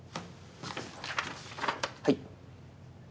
はい。